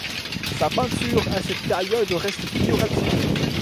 Sa peinture à cette période reste figurative.